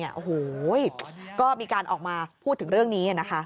โอ้โหก็มีการออกมาพูดถึงเรื่องนี้นะคะ